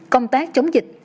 công tác chống dịch